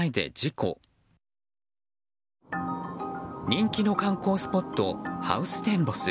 人気の観光スポットハウステンボス。